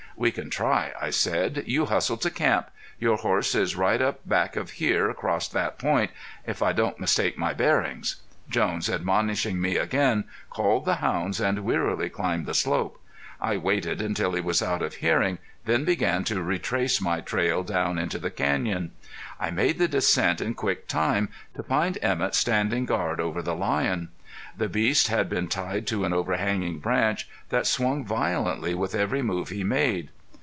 "We can try," I said. "You hustle to camp. Your horse is right up back of here, across the point, if I don't mistake my bearings." Jones, admonishing me again, called the hounds and wearily climbed the slope. I waited until he was out of hearing; then began to retrace my trail down into the canyon. I made the descent in quick time, to find Emett standing guard over the lion. The beast had been tied to an overhanging branch that swung violently with every move he made.